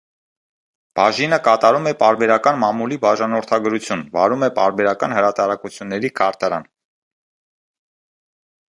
Բաժինը կատարում է պարբերական մամուլի բաժանորդագրություն, վարում է պարբերական հրատարակությունների քարտարան։